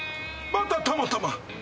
またたまたま。